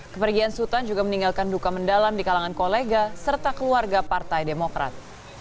kepergian sultan juga meninggalkan duka mendalam di kalangan kolega serta keluarga partai demokrat